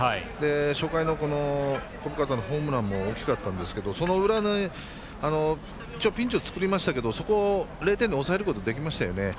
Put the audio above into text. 初回の小深田のホームランも大きかったんですけどピンチは作りましたけど、それを０点に抑えることができましたよね。